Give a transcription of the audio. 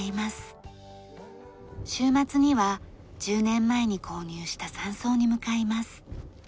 週末には１０年前に購入した山荘に向かいます。